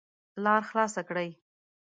لار خلاصه کړئ